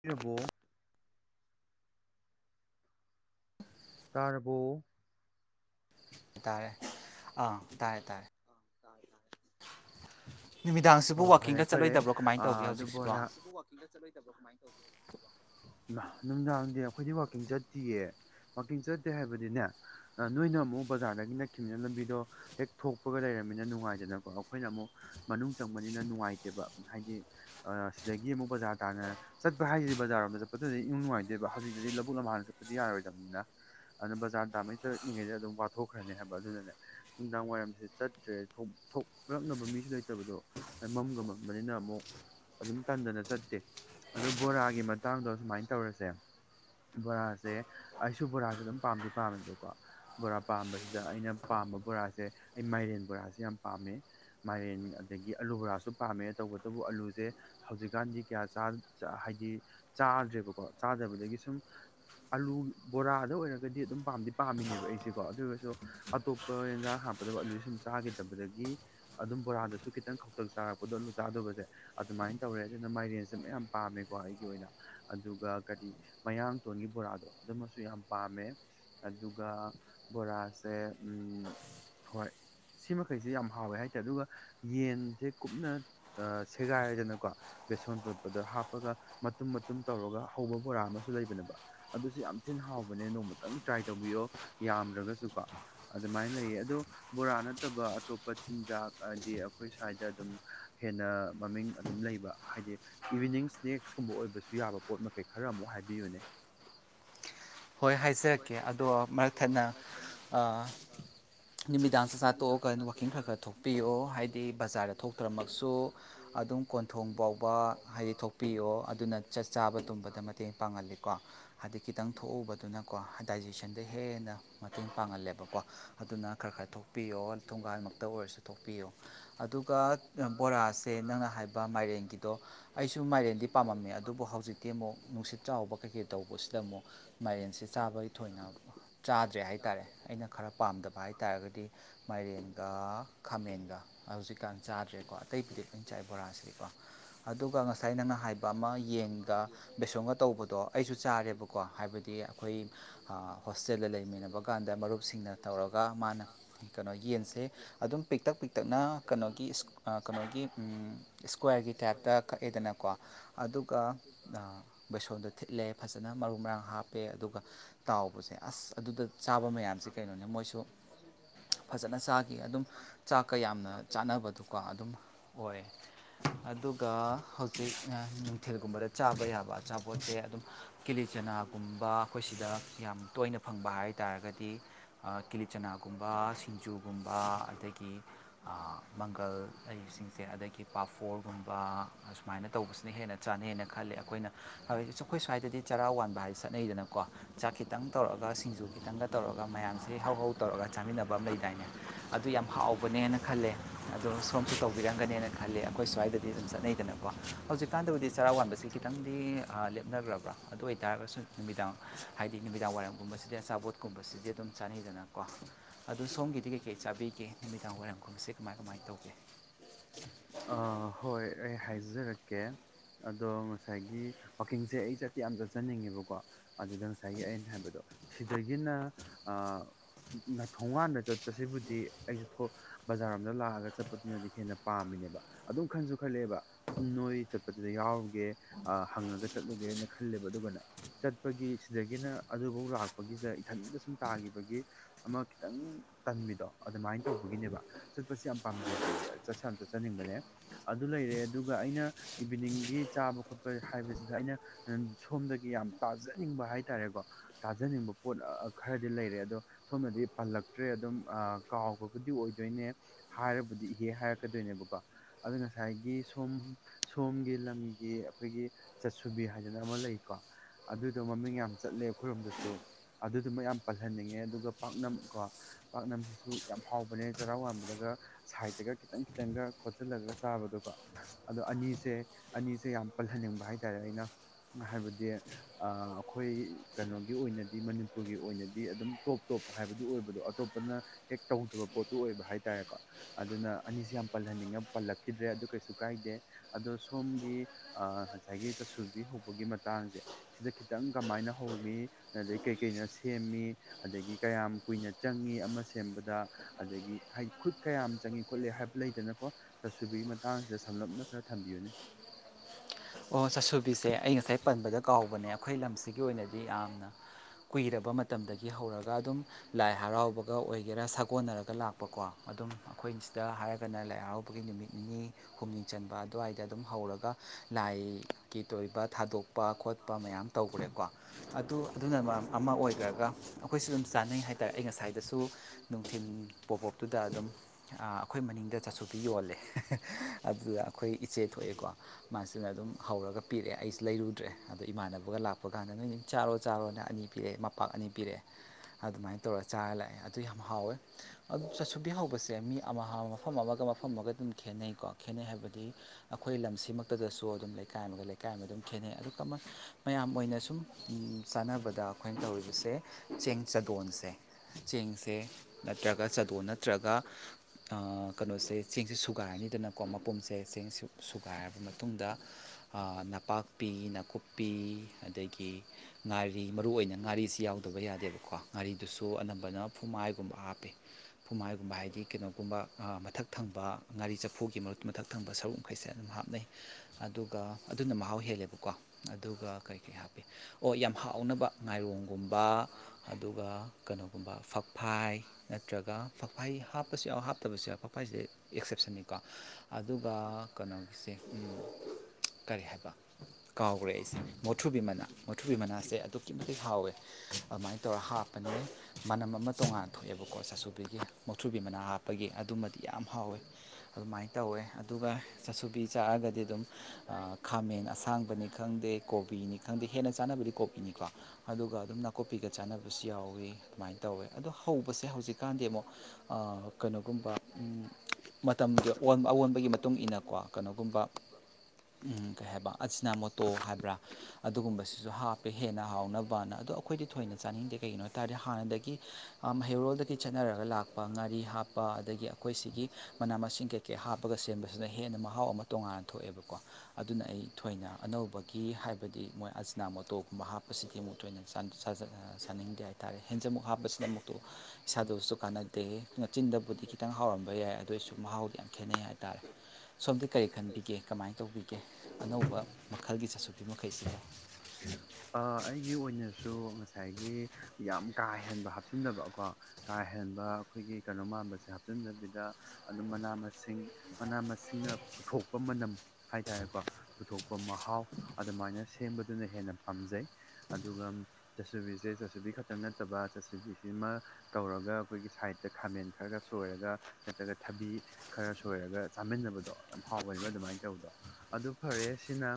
ꯐꯔꯕꯨ ꯇꯥꯔꯕꯣ ꯇꯥꯔꯦ ꯑꯥ ꯇꯥꯔꯦ ꯇꯥꯔꯦ ꯀꯥꯏ ꯑꯣ ꯐꯔꯦ ꯐꯔꯦ ꯑ ꯑꯗꯨ ꯕꯣꯔ ꯅꯨꯡꯗꯥꯡꯗꯤ ꯑꯩꯈꯣꯏꯗꯤ ꯋꯥꯛꯀꯤꯡ ꯆꯠꯇꯌꯦ ꯋꯥꯛꯀꯤꯡ ꯆꯠꯇꯦ ꯍꯥꯏꯕꯗꯤꯅꯦ ꯅꯣꯏꯅ ꯑꯃꯨꯛ ꯕꯖꯥꯔꯗꯒꯤ ꯅꯛꯈꯤꯕꯅꯤꯅ ꯂꯝꯕꯤꯗꯣ ꯍꯦꯛ ꯊꯣꯛꯄꯒ ꯂꯩꯔꯝꯃꯤꯅ ꯅꯨꯡꯉꯥꯏꯗꯅꯀꯣ ꯑꯩꯈꯣꯏꯅ ꯑꯃꯨꯛ ꯃꯅꯨꯡ ꯆꯪꯕꯅꯤꯅ ꯅꯨꯡꯉꯥꯏꯇꯦꯕ ꯍꯥꯏꯗꯤ ꯁꯤꯗꯒꯤ ꯑꯃꯨꯛ ꯕꯖꯥꯔ ꯇꯥꯅ ꯆꯠꯄ ꯍꯥꯏꯁꯤꯗꯤ ꯕꯖꯥꯔꯣꯝꯗ ꯆꯠꯄꯗꯨꯗꯗꯤ ꯏ ꯅꯨꯡꯉꯥꯏꯇꯦꯕ ꯍꯧꯖꯤꯛꯇꯗꯤ ꯂꯧꯕꯨꯛ ꯂꯝꯍꯥꯡꯅ ꯆꯠꯄꯗꯤ ꯌꯥꯔꯣꯏꯗꯕꯅꯤꯅ ꯑꯗꯨꯅ ꯕꯖꯥꯔ ꯇꯥꯕꯩ ꯆꯠꯂꯛꯂꯤꯉꯩꯗ ꯑꯗꯨꯝ ꯋꯥꯊꯣꯛꯈ꯭ꯔꯅꯦ ꯍꯥꯏꯕ ꯑꯗꯨꯅꯅꯦ ꯅꯨꯡꯗꯥꯡ ꯋꯥꯏꯔꯝꯁꯤꯗ ꯆꯠꯇ꯭ꯔꯦ ꯊꯣꯛꯂꯛꯅꯕ ꯃꯤꯁꯨ ꯂꯩꯇꯕꯗꯣ ꯃꯝꯒ ꯃꯕꯅꯤꯅ ꯑꯃꯨꯛ ꯑꯗꯨꯝ ꯇꯟꯗꯅ ꯆꯠꯇꯦ ꯑꯗ ꯕꯣꯔꯥꯒꯤ ꯃꯇꯥꯡꯗꯣ ꯁꯨꯃꯥꯏꯅ ꯇꯧꯔꯁꯦ ꯕꯣꯔꯥꯁꯦ ꯑꯩꯁꯨ ꯕꯣꯔꯥꯁꯦ ꯑꯗꯨꯝ ꯄꯥꯝꯗꯤ ꯄꯥꯝꯃꯦꯕꯀꯣ ꯕꯣꯔꯥ ꯄꯥꯝꯕꯁꯤꯗ ꯑꯩꯅ ꯄꯥꯝꯕ ꯕꯣꯔꯥꯁꯦ ꯑꯩ ꯃꯥꯏꯔꯦꯟ ꯕꯣꯔꯥꯁꯦ ꯌꯥꯝ ꯄꯥꯝꯃꯦ ꯃꯥꯏꯔꯦꯟ ꯑꯗꯒꯤ ꯑꯥꯂꯨ ꯕꯣꯔꯥꯁꯨ ꯄꯥꯝꯃꯦ ꯇꯧꯕꯇꯕꯨ ꯑꯂꯨꯁꯦ ꯍꯧꯖꯤꯛꯀꯥꯟꯗꯤ ꯀꯌꯥ ꯍꯥꯏꯗꯤ ꯆꯥꯗ꯭ꯔꯦꯕꯀꯣ ꯆꯥꯗꯕꯗꯒꯤ ꯁꯨꯝ ꯑꯂꯨ ꯕꯣꯔꯥꯗ ꯑꯣꯏꯔꯒꯗꯤ ꯑꯗꯨꯝ ꯄꯥꯝꯗꯤ ꯄꯥꯝꯃꯤꯅꯦꯕ ꯑꯩꯁꯦꯀꯣ ꯑꯗꯨ ꯑꯣꯏꯔꯁꯨ ꯑꯇꯣꯞꯄ ꯌꯦꯟꯖꯥꯡ ꯍꯥꯞꯄꯗꯕꯨ ꯑꯂꯨꯁ ꯁꯨꯝ ꯆꯥꯈꯤꯗꯕꯗꯒꯤ ꯑꯗꯨꯝ ꯕꯣꯔꯥꯗꯁꯨ ꯈꯤꯇꯪ ꯈꯧꯇꯛ ꯆꯥꯔꯛꯄꯗꯣ ꯂꯨ ꯆꯥꯗꯕꯁꯦ ꯑꯗꯨꯃꯥꯏꯅ ꯇꯧꯔꯦ ꯑꯗꯨꯅ ꯃꯥꯏꯔꯦꯟꯖꯁꯦꯃ ꯌꯥꯝ ꯄꯥꯝꯃꯦꯀꯣ ꯑꯩꯒꯤ ꯑꯣꯏꯅ ꯑꯗꯨꯒ ꯀꯔꯤ ꯃꯌꯥꯡꯇꯣꯟꯒꯤ ꯕꯣꯔꯥꯗꯣ ꯑꯗꯨꯃꯁꯨ ꯌꯥꯝ ꯄꯥꯝꯃꯦ ꯑꯗꯨꯒ ꯕꯣꯔꯥꯁꯦ ꯍꯣꯏ ꯁꯤꯃꯩꯁꯦ ꯌꯥꯝ ꯍꯥꯎꯋꯦ ꯍꯥꯏꯇꯥꯔꯦ ꯑꯗꯨꯒ ꯌꯦꯟꯁꯦ ꯀꯨꯞꯅ ꯁꯦꯒꯥꯏꯔꯗꯅꯀꯣ ꯕꯦꯁꯣꯟ ꯇꯣꯠꯄꯗ ꯍꯥꯞꯄꯒ ꯃꯇꯨꯝ ꯃꯇꯨꯝ ꯇꯧꯔꯒ ꯍꯧꯕ ꯕꯣꯔꯥ ꯑꯃꯁꯨ ꯂꯩꯕꯅꯦꯕ ꯑꯗꯨꯁꯨ ꯌꯥꯝ ꯊꯤꯅ ꯍꯥꯎꯕꯅꯦ ꯅꯣꯡꯃꯇꯪ ꯇ꯭ꯔꯥꯏ ꯇꯧꯕꯤꯌꯣ ꯌꯥꯝꯗ꯭ꯔꯒꯁꯨꯀꯣ ꯑꯗꯨꯃꯥꯏꯅ ꯂꯩꯌꯦ ꯑꯗꯣ ꯕꯣꯔꯥ ꯅꯠꯇꯕ ꯑꯇꯣꯞꯄ ꯆꯤꯟꯖꯥꯛ ꯍꯥꯏꯗꯤ ꯑꯩꯈꯣꯏ ꯁ꯭ꯋꯥꯏꯗ ꯑꯗꯨꯝ ꯍꯦꯟꯅ ꯃꯃꯤꯡ ꯑꯗꯨꯝ ꯂꯩꯕ ꯍꯥꯏꯗꯤ ꯏꯚꯅꯤꯡ ꯏꯁꯅꯦꯛꯁꯀꯨꯝꯕ ꯑꯣꯏꯕꯁꯨ ꯌꯥꯕ ꯄꯣꯠ ꯃꯈꯩ ꯈꯔ ꯑꯃꯨꯛ ꯍꯥꯏꯕꯤꯌꯨꯅꯦ ꯍꯣꯏ ꯍꯥꯏꯖꯔꯛꯀꯦ ꯑꯗꯣ ꯃꯔꯛ ꯊꯠꯅ ꯅꯨꯃꯤꯗꯥꯡ ꯆꯥꯆꯥꯥ ꯇꯣꯛꯑꯒ ꯋꯥꯛꯀꯤꯡ ꯈꯔ ꯈꯔ ꯊꯣꯛꯄꯤꯌꯣ ꯍꯥꯏꯗꯤ ꯕꯖꯥꯔꯗ ꯊꯣꯛꯇ꯭ꯔꯃꯛꯁꯨ ꯑꯗꯨꯝ ꯀꯣꯟꯊꯣꯡ ꯐꯥꯎꯕ ꯍꯥꯏꯗꯤ ꯊꯣꯛꯄꯤꯌꯣ ꯑꯗꯨꯅ ꯆꯥꯛ ꯆꯥꯕ ꯇꯨꯝꯕꯗ ꯃꯇꯦꯡ ꯄꯥꯡꯍꯜꯂꯤꯀꯣ ꯍꯥꯏꯗꯤ ꯈꯤꯇꯪ ꯊꯣꯛꯎꯕꯗꯨꯅ ꯀꯣ ꯗꯥꯏꯖꯦꯁꯟꯗ ꯍꯦꯟꯅ ꯃꯇꯦꯡ ꯄꯥꯡꯍꯜꯂꯦꯕꯀꯣ ꯑꯗꯨꯅ ꯈꯔ ꯈꯔ ꯊꯣꯛꯄꯤꯌꯣ ꯊꯣꯡꯒꯥꯟꯃꯛꯇ ꯑꯣꯏꯔꯁꯨ ꯊꯣꯛꯄꯤꯌꯣ ꯑꯗꯨꯒ ꯕꯣꯔꯥꯁꯦ ꯅꯪꯅ ꯍꯥꯏꯕ ꯃꯥꯏꯔꯦꯟꯒꯤꯗꯣ ꯑꯩꯁꯨ ꯃꯥꯏꯔꯦꯟꯗꯤ ꯄꯥꯝꯃꯝꯃꯦ ꯑꯗꯨꯕꯨ ꯍꯧꯖꯤꯛꯇꯤ ꯑꯃꯨꯛ ꯅꯨꯡꯁꯤꯠ ꯆꯥꯎꯕ ꯀꯩꯀꯩ ꯇꯧꯕꯁꯤꯗ ꯑꯃꯨꯛ ꯃꯥꯏꯟꯁꯤ ꯊꯣꯏꯅ ꯆꯥꯗ꯭ꯔꯦ ꯍꯥꯏꯇꯥꯔꯦ ꯑꯩꯅ ꯈꯔ ꯄꯥꯝꯗꯕ ꯍꯥꯏꯇꯥꯥꯔꯒꯗꯤ ꯃꯥꯏꯔꯦꯟꯒ ꯈꯥꯃꯦꯟꯒ ꯍꯧꯖꯤꯛꯀꯥꯟ ꯆꯥꯗ꯭ꯔꯦꯀꯣ ꯑꯇꯩꯕꯨꯗꯤ ꯂꯣꯏꯅ ꯆꯥꯏ ꯕꯣꯔꯥꯁꯤꯗꯤꯀꯣ ꯑꯗꯨꯒ ꯉꯁꯥꯏ ꯅꯪꯅ ꯍꯥꯏꯕ ꯑꯃ ꯌꯦꯡꯒ ꯕꯦꯁꯣꯟꯒ ꯇꯧꯕꯗꯣ ꯑꯩꯁꯨ ꯆꯥꯔꯦꯕꯀꯣ ꯀꯣ ꯍꯥꯏꯕꯗꯤ ꯑꯩꯈꯣꯏ ꯍꯣꯁꯇꯦꯜꯗ ꯂꯩꯃꯤꯟꯅꯕ ꯀꯥꯟꯗ ꯃꯔꯨꯞꯁꯤꯡꯅ ꯇꯧꯔꯒ ꯃꯥꯅ ꯀꯩꯅꯣ ꯌꯦꯟꯁꯦ ꯑꯗꯨꯝ ꯄꯤꯛꯇꯛ ꯄꯤꯛꯇꯛꯅ ꯀꯩꯅꯣꯒꯤ ꯀꯩꯅꯣꯒꯤ ꯏꯁꯀ꯭ꯋꯥꯔꯒꯤ ꯇꯥꯏꯞꯇ ꯀꯛꯑꯦꯗꯅꯀꯣ ꯑꯗꯨꯒ ꯕꯦꯁꯣꯟꯗꯣ ꯊꯤꯠꯂꯦ ꯐꯖꯅ ꯃꯔꯨ ꯃꯔꯥꯡ ꯍꯥꯞꯄꯦ ꯑꯗꯨꯒ ꯇꯥꯎꯕꯁꯦ ꯑꯁ ꯑꯗꯨꯗ ꯆꯥꯕ ꯃꯌꯥꯝꯁꯦ ꯀꯩꯅꯣꯅꯦ ꯃꯣꯏꯁꯨ ꯐꯖꯅ ꯆꯥꯈꯤ ꯑꯗꯨꯝ ꯆꯥꯛꯀ ꯌꯥꯝꯅ ꯆꯥꯅꯕꯗꯨꯀꯣ ꯑꯗꯨꯝ ꯑꯣꯏ ꯑꯗꯨꯒ ꯍꯧꯖꯤꯛ ꯅꯨꯡꯊꯤꯜꯒꯨꯝꯕꯗ ꯆꯥꯕ ꯌꯥꯕ ꯑꯆꯥꯄꯣꯠꯁꯦ ꯑꯗꯨꯝ ꯀꯦꯂꯤꯆꯅꯥꯒꯨꯝꯕ ꯑꯩꯈꯣꯏ ꯁꯤꯗ ꯌꯥꯝ ꯇꯣꯏꯅ ꯐꯪꯕ ꯍꯥꯏꯇꯥꯥꯔꯒꯗꯤ ꯀꯦꯂꯤ ꯆꯅꯥꯒꯨꯝꯕ ꯁꯤꯡꯖꯨꯒꯨꯝꯕ ꯑꯗꯒꯤ ꯃꯪꯒꯜ ꯑꯩꯁꯤꯡꯁꯦ ꯑꯗꯒꯤ ꯄꯥꯐꯣꯔꯒꯨꯝꯕ ꯑꯁꯨꯃꯥꯏꯅ ꯇꯧꯕꯁꯦ ꯍꯦꯟꯅ ꯆꯥꯅꯅ ꯈꯜꯂꯦ ꯑꯩꯈꯣꯏꯅ ꯍꯥꯏ ꯑꯩꯈꯣꯏ ꯁ꯭ꯋꯥꯏꯗꯗꯤ ꯆꯔꯥ ꯋꯥꯟꯕ ꯍꯥꯏꯁꯦ ꯆꯠꯅꯩꯗꯅꯀꯣ ꯆꯥꯛ ꯈꯤꯇꯪ ꯇꯧꯔꯒ ꯁꯤꯡꯖꯨ ꯈꯤꯇꯪꯒ ꯇꯧꯔꯒ ꯃꯌꯥꯝꯁꯦ ꯍ ꯍꯧꯍꯧ ꯇꯧꯔꯒ ꯆꯥꯃꯤꯟꯅꯕ ꯑꯃ ꯂꯩꯗꯥꯏꯅꯦ ꯑꯗꯨ ꯌꯥꯝ ꯍꯥꯎꯕꯅꯦꯅ ꯈꯜꯂꯦ ꯑꯗꯣ ꯁꯣꯝꯁꯨ ꯇꯧꯕꯤꯔꯝꯒꯅꯦꯅ ꯈꯜꯂꯦ ꯑꯩꯈꯣꯏ ꯁ꯭ꯋꯥꯏꯗꯗꯤ ꯑꯗꯨꯝ ꯆꯠꯅꯩꯗꯅꯀꯣ ꯍꯧꯖꯤꯛ ꯀꯀꯥꯟꯗꯕꯨꯗꯤ ꯆꯔꯥ ꯋꯥꯟꯕꯁꯤ ꯈꯤꯇꯪꯗꯤ ꯂꯦꯞꯅꯈ꯭ꯔꯕ꯭ꯔꯥ ꯑꯗꯨ ꯑꯣꯏꯇꯥꯔꯒꯁꯨ ꯅꯨꯃꯤꯗꯥꯡ ꯍꯥꯏꯗꯤ ꯅꯨꯃꯤꯗꯥꯡ ꯋꯥꯏꯔꯝꯒꯨꯝꯕꯁꯤꯗꯤ ꯑꯆꯥꯄꯣꯠꯀꯨꯝꯕꯁꯤꯗꯤ ꯑꯗꯨꯝ ꯆꯥꯅꯩꯗꯅꯀꯣ ꯑꯗꯨꯗꯣ ꯁꯣꯝꯒꯤꯗꯤ ꯀꯩꯀꯩ ꯆꯥꯕꯤꯒꯦ ꯅꯨꯃꯤꯗꯥꯡ ꯋꯥꯏꯔꯝꯒꯨꯝꯕꯕꯁꯤꯦ ꯀꯃꯥꯏ ꯀꯃꯥꯏꯅ ꯇꯧꯒꯦ ꯑꯗꯣ ꯉꯁꯥꯏꯒꯤ ꯋꯀꯤꯡꯁꯦ ꯑꯩ ꯆꯠꯇꯤ ꯌꯥꯝ ꯆꯠꯆꯅꯤꯡꯉꯦꯕꯀꯣ ꯑꯗꯨꯗ ꯉꯁꯥꯏꯒꯤ ꯑꯩꯅ ꯍꯥꯏꯕꯗꯣ ꯁꯤꯗꯒꯤꯅ ꯊꯣꯡꯒꯥꯟꯗ ꯆꯠꯄꯁꯤꯕꯨꯗꯤ ꯑꯩꯁꯨ ꯕꯖꯥꯔꯣꯝꯗ ꯂꯥꯛꯑꯒ ꯆꯠꯄꯗꯨꯅꯗꯤ ꯍꯦꯟꯅ ꯄꯥꯝꯃꯤꯅꯦꯕ ꯑꯗꯨꯝ ꯈꯟꯁꯨ ꯈꯜꯂꯛꯑꯦꯕ ꯑꯁ ꯅꯣꯏ ꯄꯗꯤ ꯌꯥꯎ ꯍꯪꯉꯒ ꯆꯠꯂꯨꯒꯦꯅ ꯈꯜꯂꯦꯕ ꯑꯗꯨꯒꯅ ꯆꯠꯄꯒꯤ ꯁꯤꯗꯒꯤꯅ ꯑꯗꯨꯐꯧ ꯂꯥꯛꯄꯒꯤꯁꯤꯗ ꯏꯊꯟꯇ ꯁꯨꯝ ꯇꯥꯒꯤꯈꯤꯕꯒꯤ ꯑꯃ ꯈꯤꯇꯪ ꯇꯟꯕꯤꯗꯣ ꯑꯗꯨꯃꯥꯏꯅ ꯇꯧꯕꯒꯤꯅꯦꯕ ꯆꯠꯄꯁꯦ ꯌꯥꯝ ꯄꯥꯝꯖꯩꯕ ꯑꯩꯗꯤ ꯆꯠꯁ ꯆꯠꯆꯅꯤꯡꯕꯅꯦ ꯑꯗꯨ ꯂꯩꯔꯦ ꯑꯗꯨꯒ ꯑꯩꯅ ꯏꯚꯅꯤꯡꯒꯤ ꯆꯥꯕ ꯈꯣꯠꯄ ꯍꯥꯏꯕꯁꯤꯗ ꯑꯩꯅ ꯁꯣꯝꯗꯒꯤ ꯌꯥꯝ ꯇꯥꯖꯅꯤꯡꯕ ꯍꯥꯏꯇꯥꯔꯦꯀꯣ ꯇꯥꯖꯅꯤꯡꯕ ꯄꯣꯠ ꯈꯔꯗꯤ ꯂꯩꯔꯦ ꯑꯗꯣ ꯁꯣꯝꯗꯗꯤ ꯄꯜꯂꯛꯇ꯭ꯔꯦ ꯑꯗꯨꯝ ꯀꯥꯎꯕꯕꯨꯗꯤ ꯑꯣꯏꯗꯣꯏꯅꯦ ꯍꯥꯏꯔꯕꯨꯗꯤ ꯏꯍꯦ ꯍꯥꯏꯔꯛꯀꯗꯣꯏꯅꯦꯕꯀꯣ ꯑꯗꯣ ꯉꯁꯥꯏꯒꯤ ꯁꯣꯝ ꯁꯣꯝꯒꯤ ꯂꯝꯒꯤ ꯑꯩꯈꯣꯏꯒꯤ ꯆꯠꯁꯨꯕꯤ ꯍꯥꯏꯗꯅ ꯑꯃ ꯂꯩꯀꯣ ꯑꯗꯨꯗꯣ ꯃꯃꯤꯡ ꯌꯥꯝ ꯆꯠꯂꯦ ꯑꯩꯈꯣꯏꯔꯣꯝꯗꯁꯨ ꯑꯗꯨꯗꯨꯃ ꯌꯥꯝ ꯄꯜꯍꯟꯅꯤꯡꯉꯦ ꯑꯗꯨꯒ ꯄꯥꯛꯅꯝ ꯀꯣ ꯄꯥꯛꯅꯝꯁꯤꯁꯨ ꯌꯥꯝ ꯍꯥꯎꯕꯅꯦ ꯆꯔꯥꯎ ꯋꯥꯕꯗꯒ ꯁꯥꯏꯗꯠꯇꯒ ꯈꯤꯇꯪ ꯈꯤꯇꯪꯒ ꯈꯣꯠꯆꯜꯂꯒ ꯆꯥꯕꯗꯣꯀꯣ ꯑꯗꯣ ꯑꯅꯤ ꯁꯦ ꯑꯅꯤꯁꯦ ꯌꯥꯝ ꯄꯜꯍꯟꯅꯤꯡꯕ ꯍꯥꯏ ꯇꯥꯔꯦ ꯑꯩꯅ ꯍꯥꯏꯕꯗꯤ ꯑꯩꯈꯣꯏ ꯀꯩꯅꯣꯒꯤ ꯑꯣꯏꯅꯗꯤ ꯃꯅꯤꯄꯨꯔꯒꯤ ꯑꯣꯏꯅꯗꯤ ꯑꯗꯨꯝ ꯇꯣꯞ ꯇꯣꯞ ꯍꯥꯏꯕꯗꯨ ꯑꯣꯏꯕꯗꯣ ꯑꯇꯣꯞꯄꯅ ꯍꯦꯛ ꯇꯧꯗꯕ ꯄꯣꯠꯇꯨ ꯑꯣꯏꯕ ꯍꯥꯏ ꯇꯥꯔꯦꯀꯣ ꯑꯗꯨꯅ ꯑꯅꯤꯁꯦ ꯌꯥꯝ ꯄꯜꯍꯟꯅꯤꯡꯉ ꯄꯜꯂꯛꯈꯤꯗ꯭ꯔꯦ ꯑꯗꯨ ꯀꯩꯁꯨ ꯀꯥꯏꯗꯦ ꯑꯗꯣ ꯁꯣꯝꯒꯤ ꯉꯁꯥꯏꯒꯤ ꯆꯥꯁꯨꯕꯤ ꯍꯧꯕꯒꯤ ꯃꯇꯥꯡꯁꯦ ꯁꯤꯗ ꯈꯤꯇꯪ ꯀꯃꯥꯏꯅ ꯍꯧꯏꯤ ꯑꯗꯩ ꯀꯩꯀꯩꯅ ꯁꯦꯝꯃꯤ ꯑꯗꯒꯤ ꯀꯌꯥꯝ ꯀꯨꯏꯅ ꯆꯪꯉꯤ ꯑꯃ ꯁꯦꯝꯕꯗ ꯑꯗꯒꯤ ꯍꯥꯏꯗꯤ ꯈꯨꯠ ꯀꯌꯥꯝ ꯆꯪꯉꯤ ꯈꯣꯠꯂꯤ ꯍꯥꯏꯕ ꯂꯩꯗꯅꯀꯣ ꯆꯥꯁꯨꯕꯤꯒꯤ ꯃꯇꯥꯡꯁꯤꯗ ꯁꯝꯂꯞꯅ ꯈꯔ ꯊꯝꯕꯤꯌꯨꯅꯦ ꯑꯣ ꯆꯥꯁꯨꯕꯤꯁꯦ ꯑꯩ ꯉꯁꯥꯏ ꯄꯟꯕꯗ ꯀꯥꯎꯕꯅꯦ ꯑꯩꯈꯣꯏ ꯂꯝꯁꯤꯒꯤ ꯑꯣꯏꯅꯗꯤ ꯌꯥꯝꯅ ꯀꯨꯏꯔꯕ ꯃꯇꯝꯗꯒꯤ ꯍꯧꯔꯒ ꯑꯗꯨꯝ ꯂꯥꯏ ꯍꯔꯥꯎꯕꯒ ꯑꯣꯏꯒꯦꯔꯥ ꯁꯥꯒꯣꯟꯅꯔꯒ ꯂꯥꯛꯄꯀꯣ ꯑꯗꯨꯝ ꯑꯩꯈꯣꯏ ꯁꯤꯗ ꯍꯥꯏꯔꯒꯅ ꯂꯥꯏ ꯍꯔꯥꯎꯕꯒꯤ ꯅꯨꯃꯤꯠ ꯅꯤꯅꯤ ꯍꯨꯝꯅꯤ ꯆꯟꯕ ꯑꯗꯨꯋꯥꯏꯗ ꯑꯗꯨꯝ ꯍꯧꯔꯒ ꯂꯥꯏꯒꯤ ꯇꯣꯏꯕ ꯊꯥꯗꯣꯛꯄ ꯈꯣꯠꯄ ꯃꯌꯥꯝ ꯇꯧꯈ꯭ꯔꯦꯀꯣ ꯑꯗꯨ ꯑꯗꯨꯅ ꯑꯃ ꯑꯣꯏꯈ꯭ꯔꯒ ꯑꯩꯈꯣꯏꯁꯨ ꯑꯗꯨꯝ ꯆꯥꯅꯩ ꯍꯥꯏꯇꯥꯔꯦ ꯑꯩ ꯉꯁꯥꯏꯗꯁꯨ ꯅꯨꯡꯊꯤꯜ ꯄꯣꯕꯣꯞꯇꯨꯗ ꯑꯗꯨꯝ ꯑꯩꯈꯣꯏ ꯃꯅꯤꯡꯗ ꯆꯥꯁꯨꯕꯤ ꯌꯣꯜꯂꯦ ꯑꯗꯨꯗ ꯑꯩꯈꯣꯏ ꯏꯆꯦ ꯊꯣꯛꯑꯦꯀꯣ ꯃꯥꯁꯤꯅ ꯑꯗꯨꯝ ꯍꯧꯔꯒ ꯄꯤꯔꯛꯑꯦ ꯑꯩꯁꯦ ꯂꯩꯔꯨꯗ꯭ꯔꯦ ꯑꯗꯣ ꯏꯃꯥꯟꯅꯕꯒ ꯂꯥꯛꯄ ꯀꯥꯟꯗ ꯅꯣꯏ ꯑꯗꯨꯝ ꯆꯥꯔꯣ ꯆꯥꯔꯣꯅ ꯑꯅꯤ ꯄꯤꯔꯛꯑꯦ ꯃꯄꯥꯛ ꯑꯅꯤ ꯄꯤꯔꯛꯑꯦ ꯑꯗꯨꯃꯥꯏꯅ ꯇꯧꯔ ꯆꯥꯔ ꯂꯥꯛꯑꯦ ꯑꯗꯨ ꯌꯥꯝ ꯍꯥꯎꯋꯦ ꯑꯗꯨ ꯆꯥꯁꯨꯕꯤ ꯍꯧꯕꯁꯦ ꯃꯤ ꯑꯃ ꯃꯐꯝ ꯑꯃꯒ ꯃꯐꯝ ꯑꯃꯒ ꯑꯗꯨꯝ ꯈꯦꯠꯅꯩꯀꯣ ꯈꯦꯠꯅꯩ ꯍꯥꯏꯕꯗꯤ ꯑꯩꯈꯣꯏ ꯂꯝꯁꯤꯃ ꯈ ꯇꯗꯁꯨ ꯑꯗꯨꯝ ꯂꯩꯀꯥꯏ ꯑꯃꯒ ꯂꯩꯀꯥꯏ ꯑꯃꯒ ꯑꯗꯨꯝ ꯈꯦꯠꯅꯩ ꯑꯗꯨꯒ ꯀ ꯃꯌꯥꯝ ꯑꯣꯏꯅ ꯁꯨꯝ ꯆꯥꯟꯅꯕꯗ ꯑꯩꯈꯣꯏꯅ ꯇꯧꯔꯤꯕꯁꯦ ꯆꯦꯡ ꯆꯥꯗꯣꯟꯁꯦ ꯆꯦꯡꯁꯦ ꯅꯠꯇ꯭ꯔꯒ ꯆꯥꯗꯣꯟ ꯅꯠꯇ꯭ꯔꯒ ꯀꯩꯅꯣꯁꯦ ꯆꯦꯡꯁꯦ ꯁꯨꯒꯥꯏꯔꯅꯤꯗꯅꯀꯣ ꯃꯄꯨꯝꯁꯦ ꯆꯦꯡ ꯁꯨꯒꯥꯏꯔꯕ ꯃꯇꯨꯡ ꯃꯇꯨꯡꯗ ꯅꯄꯥꯛꯄꯤ ꯅꯥꯀꯨꯞꯄꯤ ꯑꯗꯒꯤ ꯉꯥꯔꯤ ꯃꯔꯨ ꯑꯣꯏꯅ ꯉꯥꯔꯤꯁꯤ ꯌꯥꯎꯗꯕ ꯌꯥꯗꯦꯕꯀꯣ ꯉꯥꯔꯤꯗꯨꯁꯨ ꯑꯅꯝꯕꯅ ꯐꯨꯃꯥꯏꯒꯨꯝꯕ ꯍꯥꯞꯄꯤ ꯐꯨꯃꯥꯏꯒꯨꯝꯕ ꯍꯥꯏꯗꯤ ꯀꯩꯅꯣꯒꯨꯝꯕ ꯃꯊꯛ ꯊꯪꯕ ꯉꯥꯔꯤ ꯆꯐꯨꯒꯤ ꯃꯔꯨꯞ ꯃꯊꯛ ꯊꯪꯕ ꯁꯔꯨꯛꯈꯩꯁꯦ ꯑꯗꯨꯝ ꯍꯥꯞꯅꯩ ꯑꯗꯨꯒ ꯑꯗꯨꯅ ꯃꯍꯥꯎ ꯍꯦꯜꯂꯦꯕꯀꯣ ꯑꯗꯨꯒ ꯀꯔꯤ ꯀꯔꯤ ꯍꯥꯞꯄꯤꯦ ꯑꯣ ꯌꯥꯝ ꯍꯥꯎꯅꯕ ꯉꯥꯏꯔꯣꯡꯒꯨꯝꯕ ꯑꯗꯨꯒ ꯀꯩꯅꯣꯒꯨꯝꯕ ꯐꯛꯐꯥꯏ ꯅꯠꯇ꯭ꯔꯒ ꯐꯛꯐꯥꯏ ꯍꯥꯞꯄꯁꯨ ꯌꯥꯎ ꯍꯥꯞꯇꯕꯁꯨ ꯌꯥꯎ ꯐꯛꯐꯥꯏꯁꯤꯦ ꯑꯦꯛꯁꯦꯞꯁꯟꯅꯤꯀꯣ ꯑꯗꯨꯒ ꯀꯩꯅꯣꯒꯤ ꯀꯔꯤ ꯍꯥꯏꯕ ꯀꯥꯎꯈ꯭ꯔꯦ ꯑꯩꯁꯦ ꯃꯨꯊꯨꯕꯤ ꯃꯅꯥ ꯃꯨꯊꯨꯕꯤ ꯃꯅꯥꯁꯦ ꯑꯗꯨꯛꯀꯤ ꯃꯇꯤꯛ ꯍꯥꯎꯋꯦ ꯑꯗꯨꯃꯥꯏꯅ ꯇꯧꯔ ꯍꯥꯞꯄꯅꯤ ꯃꯅꯝ ꯑꯃ ꯇꯣꯡꯉꯥꯟ ꯊꯣꯛꯑꯦꯕꯀꯣ ꯆꯥꯁꯨꯕꯤꯒꯤ ꯃꯨꯊꯨꯕꯤ ꯃꯅꯥ ꯍꯥꯞꯄꯒꯤ ꯑꯗꯨꯃꯗꯤ ꯌꯥꯝ ꯍꯥꯎꯋꯦ ꯑꯗꯨꯃꯥꯏꯅ ꯇꯧꯋꯦ ꯑꯗꯨꯒ ꯆꯥꯁꯨꯕꯤ ꯆꯥꯁꯨꯕꯤ ꯆꯥꯔꯒꯗꯤ ꯑꯗꯨꯝ ꯈꯥꯃꯦꯟ ꯑꯁꯥꯡꯕꯅꯤ ꯈꯪꯗꯦ ꯀꯣꯕꯤꯅꯤ ꯈꯪꯗꯦ ꯍꯦꯟꯅ ꯆꯥꯅꯕꯗꯤ ꯀꯣꯕꯤꯅꯤꯀꯣ ꯑꯗꯨꯒ ꯑꯗꯨꯝ ꯅꯥꯀꯨꯞꯄꯤꯒ ꯆꯥꯅꯕꯁꯨ ꯌꯥꯎꯋꯤ ꯑꯗꯨꯃꯥꯏꯅ ꯇꯧꯋꯦ ꯑꯗꯣ ꯍꯧꯕꯁꯦ ꯍꯧꯖꯤꯛꯀꯥꯟꯗꯤ ꯑꯃꯨꯛ ꯀꯩꯅꯣꯒꯨꯝꯕ ꯃꯇꯝꯒꯤ ꯑꯑꯣꯟꯕꯒꯤ ꯃꯇꯨꯡ ꯏꯟꯅꯀꯣ ꯀꯩꯅꯣꯒꯨꯝꯕ ꯀꯩ ꯍꯥꯏꯕ ꯑꯆꯤꯅꯥ ꯃꯣꯇꯣ ꯍꯥꯏꯕ꯭ꯔꯥ ꯑꯗꯨꯒꯨꯝꯕꯁꯤꯁꯨ ꯍꯥꯞꯄꯦ ꯍꯦꯟꯅ ꯍꯥꯎꯅꯕꯅ ꯑꯗꯣ ꯑꯩꯈꯣꯏꯗꯤ ꯊꯣꯏꯅ ꯆꯥꯅꯤꯡꯗꯦ ꯀꯩꯒꯤꯅꯣ ꯍꯥꯏ ꯇꯥꯔꯗꯤ ꯍꯥꯟꯅꯗꯒꯤ ꯃꯩꯍꯧꯔꯣꯜꯗꯒꯤ ꯆꯠꯅꯔꯒ ꯂꯥꯛꯄ ꯉꯥꯔꯤ ꯍꯥꯞꯄ ꯑꯗꯒꯤ ꯑꯩꯈꯣꯏ ꯁꯤꯒꯤ ꯃꯅꯥ ꯃꯁꯤꯡ ꯀꯩꯀꯩ ꯍꯥꯞꯄꯒ ꯁꯦꯝꯕꯁꯤꯅ ꯍꯦꯟꯅ ꯃꯍꯥꯎ ꯑꯃ ꯇꯣꯉꯥꯟꯅ ꯊꯣꯛꯑꯦꯕꯀꯣ ꯑꯗꯨꯅ ꯑꯩ ꯊꯣꯏꯅ ꯑꯅꯧꯕꯒꯤ ꯍꯥꯏꯕꯗꯤ ꯃꯣꯏ ꯑꯖꯤꯅꯥ ꯃꯣꯇꯣꯒꯨꯝꯕ ꯍꯥꯞꯄꯁꯤꯗꯤ ꯑꯃꯨꯛ ꯊꯣꯏꯅ ꯆꯥꯅꯤꯡꯗꯦ ꯍꯥꯏ ꯇꯥꯔꯦ ꯍꯦꯟꯖꯃꯨꯛ ꯍꯥꯞꯄꯁꯤꯅ ꯑꯃꯨꯛ ꯏꯁꯥꯗꯁꯨ ꯀꯥꯟꯅꯗꯦ ꯆꯤꯟꯗꯕꯨꯗꯤ ꯈꯤꯇꯪ ꯍꯥꯎꯔꯝꯕ ꯌꯥꯏ ꯑꯗꯨ ꯑꯣꯏꯁꯨ ꯃꯍꯥꯎꯗꯤ ꯌꯥꯝ ꯈꯦꯠꯅꯩ ꯍꯥꯏꯇꯥꯥꯔꯦ ꯁꯣꯝꯗ ꯀꯔꯤ ꯈꯟꯕꯤꯒꯦ ꯀꯃꯥꯏꯅ ꯇꯧꯕꯤꯒꯦ ꯑꯅꯧꯕ ꯃꯈꯜꯒꯤ ꯆꯠꯁꯨꯕꯤ ꯃꯈꯩꯁꯤꯗ ꯀꯥ ꯍꯦꯟꯕ ꯍꯥꯞꯆꯤꯟꯗꯕ ꯀꯣ ꯀꯥ ꯍꯦꯟꯕ ꯑꯩꯈꯣꯏꯒꯤ ꯀꯩꯅꯣ ꯃꯥꯟꯕꯁꯦ ꯍꯥꯞꯆꯤꯟꯗꯕꯤꯗ ꯑꯗꯨꯝ ꯃꯅꯥ ꯃꯁꯤꯡ ꯃꯅꯥ ꯃꯁꯤꯡꯅ ꯄꯨꯊꯣꯛꯄ ꯃꯅꯝ ꯍꯥꯏꯇꯥꯔꯦꯀꯣ ꯄꯨꯊꯣꯛꯄ ꯃꯍꯥꯎ ꯑꯗꯨꯃꯥꯏꯅ ꯁꯦꯝꯕꯗꯨꯅ ꯍꯦꯟꯅ ꯄꯥꯝꯖꯩ ꯑꯗꯨꯒ ꯆꯥꯁꯨꯕꯤꯁꯦ ꯆꯥꯁꯨꯕꯤ ꯈꯛꯇꯪ ꯅꯠꯇꯕ ꯆꯥꯁꯨꯕꯤꯁꯤꯃ ꯇꯧꯔꯒ ꯑꯩꯈꯣꯏꯒꯤ ꯁꯥꯏꯗꯠꯇ ꯈꯥꯃꯦꯟ ꯈꯔ ꯈ ꯁꯣꯏꯔꯒ ꯅꯠꯇ꯭ꯔꯒ ꯊꯕꯤ ꯈꯔ ꯁꯣꯏꯔꯒ ꯆꯥꯃꯤꯟꯅꯕꯗꯣ ꯌꯥꯝ ꯍꯥꯎꯋꯦꯕ ꯑꯗꯨꯃꯥꯏꯅ ꯇꯧꯕꯗꯣ ꯑꯗꯨ ꯐꯔꯦ ꯁꯤꯅ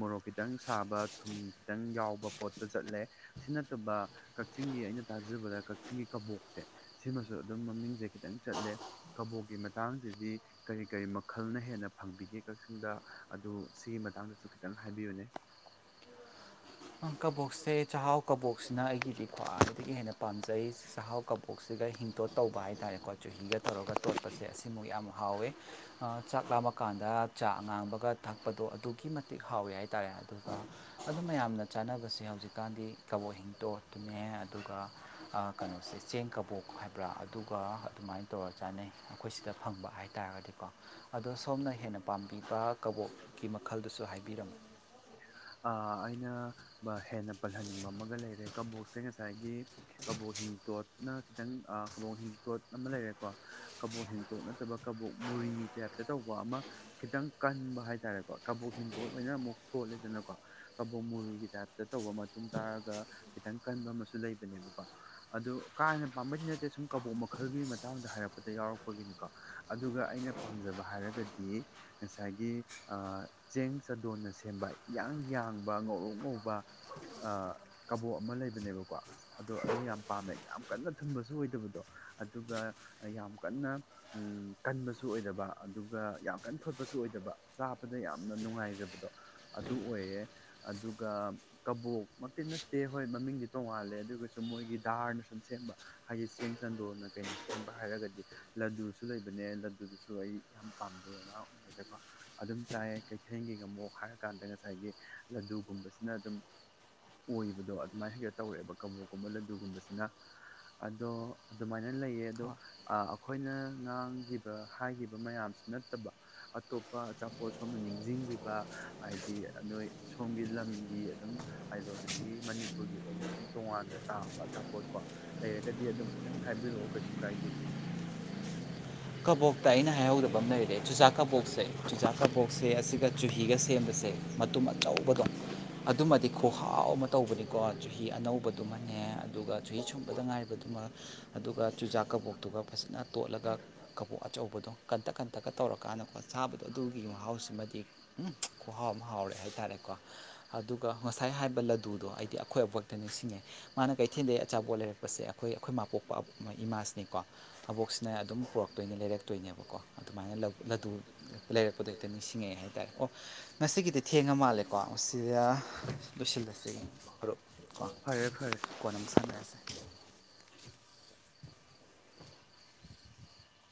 ꯃꯣꯔꯣꯛ ꯈꯤꯇꯪ ꯁꯥꯕ ꯊꯨꯝ ꯈꯤꯇꯪ ꯌꯥꯎꯕ ꯄꯣꯠꯇ ꯆꯠꯂꯦ ꯁꯤ ꯅꯠꯇꯕ ꯀꯛꯆꯤꯡꯒꯤ ꯑꯩꯅ ꯇꯥꯖꯕꯗ ꯀꯛꯆꯤꯡꯒꯤ ꯀꯕꯣꯛꯁꯦ ꯁꯤꯃꯁꯨ ꯑꯗꯨꯝ ꯃꯃꯤꯡꯁꯦ ꯈꯤꯇꯪ ꯆꯠꯂꯦ ꯀꯕꯣꯛꯀꯤ ꯃꯇꯥꯡꯁꯤꯗꯤ ꯀꯔꯤ ꯀꯔꯤ ꯃꯈꯜꯅ ꯍꯦꯟꯅ ꯐꯪꯕꯤꯒꯦ ꯀꯛꯆꯤꯡꯗ ꯑꯗꯨ ꯁꯤꯒꯤ ꯃꯇꯥꯡꯗꯁꯨ ꯈꯤꯇꯪ ꯍꯥꯏꯕꯤꯌꯨꯅꯦ ꯀꯕꯣꯛꯁꯦ ꯆꯥꯛꯍꯥꯎ ꯀꯕꯣꯛꯁꯤꯅ ꯑꯩꯒꯤꯗꯤ ꯈ꯭ꯋꯥꯏꯗꯒꯤ ꯍꯦꯟꯅ ꯄꯥꯝꯖꯩ ꯆꯥꯛꯍꯥꯎ ꯀꯕꯣꯛꯁꯤꯒ ꯍꯤꯡꯇꯣꯠ ꯇꯧꯕ ꯍꯥꯏ ꯇꯥꯔꯦꯀꯣ ꯆꯨꯍꯤꯒ ꯇꯧꯔꯒ ꯇꯣꯠꯄꯁꯦ ꯑꯁꯤꯃꯨ ꯌꯥꯝ ꯍꯥꯎꯋꯦ ꯆꯥꯛ ꯂꯥꯝꯃꯀꯥꯟꯗ ꯆꯥꯛ ꯑꯉꯥꯡꯕꯒ ꯊꯛꯄꯗꯣ ꯑꯗꯨꯛꯀꯤ ꯃꯇꯤꯛ ꯍꯥꯎꯋꯦ ꯍꯥꯏꯇꯥꯔꯦ ꯑꯗꯨꯒ ꯑꯗꯨꯃꯥꯏ ꯆꯅꯕ ꯁꯤ ꯍꯧꯖꯤꯛꯀꯥꯟꯗꯤ ꯀꯕꯣꯛ ꯍꯤꯡꯇꯣꯠꯇꯨꯅꯦ ꯑꯗꯨꯒ ꯀꯩꯅꯣꯁꯦ ꯆꯦꯡ ꯀꯕꯣꯛ ꯍꯥꯏꯕ꯭ꯔꯥ ꯑꯗꯨꯒ ꯑꯗꯨꯃꯥꯏꯅ ꯇꯧꯔ ꯆꯥꯅꯩ ꯑꯩꯈꯣꯏ ꯁꯤꯗ ꯐꯪꯕ ꯍꯥꯏꯇꯥꯥꯔꯒꯗꯤꯀꯣ ꯑꯗꯣ ꯁꯣꯝꯅ ꯍꯦꯟꯅ ꯄꯥꯝꯕꯤꯕ ꯀꯕꯣꯛꯀꯤ ꯃꯈꯜꯗꯨꯁꯨ ꯍꯥꯏꯕꯤꯔꯝꯃꯤ ꯑ ꯍꯦꯟꯅ ꯄꯜꯍꯟꯅꯤꯡꯕ ꯑꯃꯒ ꯂꯩꯔꯦ ꯀꯕꯣꯛꯁꯦ ꯉꯁꯥꯏꯒꯤ ꯀꯕꯣꯛ ꯍꯤꯡꯇꯣꯠꯅ ꯈꯤꯇꯪ ꯀꯕꯣꯛ ꯍꯤꯡꯇꯣꯠ ꯑꯃ ꯂꯩꯔꯦꯀꯣ ꯀꯕꯣꯛ ꯍꯤꯡꯇꯣꯠ ꯅꯠꯇꯕ ꯀꯕꯣꯛ ꯃꯨꯔꯤ ꯇꯥꯏꯞꯇ ꯇꯧꯕ ꯑꯃ ꯈꯤꯇꯪ ꯀꯟꯕ ꯍꯥꯏꯇꯥꯔꯦꯀꯣ ꯀꯕꯣꯛ ꯍꯤꯡꯇꯣꯠ ꯑꯣꯏꯅ ꯑꯃꯨꯛ ꯊꯣꯠꯂꯦꯗꯅꯀꯣ ꯀꯕꯣꯛ ꯃꯨꯔꯤꯒꯤ ꯇꯥꯏꯞꯇ ꯇ ꯇꯧꯕ ꯃꯇꯨꯡ ꯇꯥꯔꯒ ꯈꯤꯇꯪ ꯀꯟꯕ ꯑꯃꯁꯨ ꯂꯩꯕꯅꯦꯕꯀꯣ ꯑꯗꯣ ꯀꯥ ꯍꯦꯟꯅ ꯄꯥꯝꯕꯗꯤ ꯅꯠꯇꯦ ꯁꯨꯝ ꯀꯕꯣꯛ ꯃꯈꯜꯒꯤ ꯃꯇꯥꯡꯗ ꯍꯥꯏꯔꯛꯄꯗ ꯌꯥꯎꯔꯛꯄꯒꯤꯅꯤꯀꯣ ꯑꯗꯨꯒ ꯑꯩꯅ ꯄꯥꯝꯖꯕ ꯍꯥꯏꯔꯒꯗꯤ ꯉꯁꯥꯏꯒꯤ ꯆꯦꯡ ꯆꯥꯗꯣꯟꯅ ꯁꯦꯝꯕ ꯏꯌꯥꯡ ꯌꯥꯡꯕ ꯉꯧꯔꯣꯛ ꯉꯧꯕ ꯀꯕꯣꯛ ꯑꯃ ꯂꯩꯕꯅꯦꯕꯀꯣ ꯑ ꯑꯗꯣ ꯑꯗꯣ ꯌꯥꯝ ꯄꯥꯝꯃꯦ ꯌꯥꯝ ꯀꯟꯅ ꯊꯨꯝꯕꯁꯨ ꯑꯣꯏꯗꯕꯗꯣ ꯑꯗꯨꯒ ꯌꯥꯝ ꯀꯟꯅ ꯀꯟꯕꯁꯨ ꯑꯣꯏꯗꯕ ꯑꯗꯨꯒ ꯌꯥꯝ ꯀꯟꯅ ꯊꯣꯠꯄꯁꯨ ꯑꯣꯏꯗꯕ ꯆꯥꯕꯗ ꯌꯥꯝꯅ ꯅꯨꯡꯉꯥꯏꯖꯕꯗꯣ ꯑꯗꯨ ꯑꯣꯏꯌꯦ ꯑꯗꯨꯒ ꯀꯕꯣꯛ ꯃꯛꯇꯤ ꯅꯠꯇꯦ ꯍꯣꯏ ꯃꯃꯤꯡꯗꯤ ꯇꯣꯡꯉꯥꯜꯂꯦ ꯑꯗꯨꯒꯁꯨ ꯃꯣꯏꯒꯤ ꯗꯥꯔꯅ ꯁꯨꯝ ꯁꯦꯝꯕ ꯍꯥꯏꯗꯤ ꯆꯦꯡ ꯆꯟꯗꯣꯟꯅ ꯀꯩꯅ ꯁꯦꯝꯕ ꯍꯥꯏꯔꯒꯗꯤ ꯂꯗꯨꯁꯨ ꯂꯩꯕꯅꯦ ꯂꯗꯨꯗꯨꯁꯨ ꯑꯩ ꯌꯥꯝ ꯄꯥꯝꯖꯩ ꯑꯉꯥꯡ ꯑꯣꯏꯔꯤꯉꯩꯗꯀꯣ ꯑꯗꯨꯝ ꯆꯥꯏꯌꯦ ꯀꯩꯊꯦꯜꯒꯤ ꯉꯥꯃꯣꯛ ꯍꯥꯏꯔꯀꯥꯟꯗ ꯉꯁꯥꯏꯒꯤ ꯂꯗꯨꯒꯨꯝꯕꯁꯤꯅ ꯑꯗꯨꯝ ꯑꯣꯏꯕꯗꯣ ꯑꯗꯨꯃꯥꯏꯅ ꯍꯦꯛꯇ ꯇꯧꯑꯦꯕ ꯀꯕꯣꯛꯀꯨꯝꯕ ꯂꯗꯨꯒꯨꯝꯕꯁꯤꯅ ꯑꯗꯣ ꯑꯗꯨꯃꯥꯏꯅ ꯂꯩꯌꯦ ꯑꯗꯣ ꯑꯩꯈꯣꯏꯅ ꯉꯥꯡꯈꯤꯕ ꯍꯥꯏꯈꯤꯕ ꯃꯌꯥꯝꯁꯤ ꯅꯠꯇꯕ ꯑꯇꯣꯞꯄ ꯑꯆꯥꯄꯣꯠ ꯁꯣꯝꯅ ꯅꯤꯡꯁꯤꯡꯕꯤꯕ ꯍꯥꯏꯗꯤ ꯅꯣꯏ ꯁꯣꯝꯒꯤ ꯂꯝꯒꯤ ꯑꯗꯨꯝ ꯑꯗꯣ ꯑꯗꯒꯤ ꯃꯅꯤꯄꯨꯔꯒꯤ ꯑꯣꯏꯅ ꯁꯨꯝ ꯇꯣꯉꯥꯟ ꯇꯥꯕ ꯑꯆꯥꯄꯣꯠ ꯀꯣ ꯂꯩꯔꯒꯗꯤ ꯑꯗꯨꯝ ꯈꯤꯇꯪ ꯍꯥꯏꯕꯤꯔꯛꯑꯣ ꯀꯩꯁꯨ ꯀꯥꯏꯗꯦ ꯀꯕꯣꯛꯇ ꯑꯩꯅ ꯍꯥꯏꯍꯧꯗꯕ ꯑꯃ ꯂꯩꯔꯦ ꯆꯨꯖꯥꯛ ꯀꯕꯣꯛꯁꯦ ꯆꯨꯖꯥꯛ ꯀꯕꯣꯛꯁꯦ ꯑꯁꯤꯒ ꯆꯨꯍꯤꯒ ꯁꯦꯝꯕꯁꯦ ꯃꯇꯨꯝ ꯑꯆꯧꯕꯗꯣ ꯑꯗꯨꯃꯗꯤ ꯈꯨꯍꯥꯎ ꯑꯃ ꯇꯧꯕꯅꯤꯀꯣ ꯆꯨꯍꯤ ꯑꯅꯧꯕꯗꯨꯃꯅꯦ ꯑꯗꯨꯒ ꯆꯨꯍꯤ ꯁꯨꯝꯕꯗ ꯉꯥꯏꯔꯤꯕꯗꯨꯃ ꯑꯗꯨꯒ ꯆꯨꯖꯥꯛ ꯀꯕꯣꯛꯇꯨꯒ ꯐꯖꯅ ꯇꯣꯠꯂꯒ ꯀꯕꯣꯛ ꯑꯆꯧꯕꯗꯣ ꯀꯟꯇꯛ ꯀꯟꯇꯛꯀ ꯇꯧꯔꯀꯥꯟꯗꯀꯣ ꯆꯥꯕꯗꯣ ꯑꯗꯨꯒꯤ ꯃꯍꯥꯎꯁꯤꯃꯗꯤ ꯈꯨꯍꯥꯎ ꯑꯃ ꯍꯥꯎꯔꯦ ꯍꯥꯏꯇꯥꯔꯦꯀꯣ ꯑꯗꯨꯒ ꯉꯁꯥꯏ ꯍꯥꯏꯕ ꯂꯗꯨꯗꯣ ꯑꯩꯗꯤ ꯑꯩꯈꯣꯏ ꯑꯕꯣꯛꯇ ꯅꯤꯡꯁꯤꯡꯉꯦ ꯃꯥꯅ ꯀꯩꯊꯦꯜꯗꯒꯤ ꯑꯆꯥꯄꯣꯠ ꯂꯩꯔꯛꯄꯁꯦ ꯑꯩꯈꯣꯏ ꯑꯩꯈꯣꯏ ꯃꯥꯄꯣꯛꯄ ꯏꯃꯥꯁꯤꯅꯤꯀꯣ ꯑꯕꯣꯛꯁꯤꯅ ꯑꯗꯨꯝ ꯄ‌ꯣꯔꯛ ꯇꯣꯏꯅ ꯂꯩꯔꯛꯇꯣꯏꯅꯦꯕꯀꯣ ꯑꯗꯨꯃꯥꯏꯅ ꯂꯗꯨ ꯂꯩꯔꯛꯄꯗꯣ ꯍꯦꯛꯇ ꯅꯤꯡꯁꯤꯡꯉꯛꯑꯦ ꯍꯥꯏꯇꯥꯔꯦ ꯑꯣ ꯉꯁꯤꯒꯤꯗꯤ ꯊꯦꯡꯉ ꯃꯥꯜꯂꯦꯀꯣ ꯃꯁꯤꯗ ꯂꯣꯏꯁꯤꯜꯂꯁꯤ ꯃꯔꯨꯞ ꯀꯣ ꯀꯣꯟꯅ ꯑꯃꯨꯛ ꯁꯥꯟꯅꯔꯁꯦ